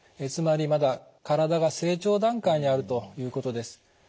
つまりまだ体が成長段階にあるということです。